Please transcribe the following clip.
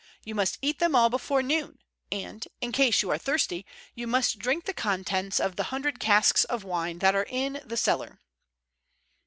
You must eat them all before noon, and, in case you are thirsty, you must drink the contents of the hundred casks of wine that are in the cellar."